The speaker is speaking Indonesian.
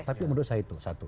tapi menurut saya itu satu